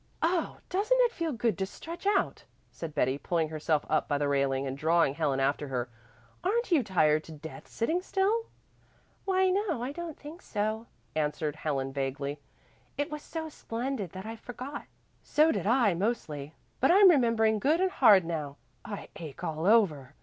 "Oh, doesn't it feel good to stretch out," said Betty, pulling herself up by the railing and drawing Helen after her. "Aren't you tired to death sitting still?" "Why no, I don't think so," answered Helen vaguely. "It was so splendid that I forgot." "So did I mostly, but I'm remembering good and hard now. I ache all over."